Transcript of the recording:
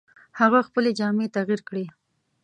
هغه خپلې جامې تغیر کړې.